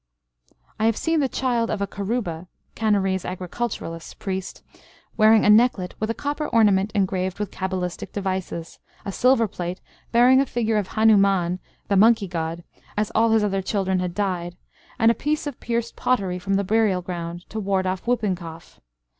I have seen the child of a Kuruba (Canarese agriculturist) priest wearing a necklet with a copper ornament engraved with cabalistic devices, a silver plate bearing a figure of Hanuman (the monkey god), as all his other children had died, and a piece of pierced pottery from the burial ground, to ward off whooping cough.